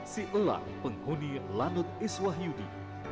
si elang penghuni lanut iswah yudi